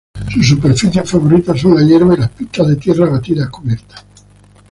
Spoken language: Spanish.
Sus superficies favoritas son la hierba y las pista de tierra batida cubiertas.